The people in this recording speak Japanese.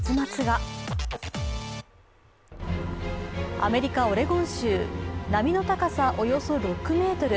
アメリカ・オレゴン州波の高さおよそ６ｍ。